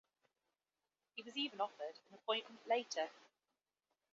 He was even offered an appointment later.